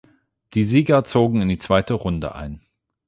Die Sieger zogen in die zweite Runde ein.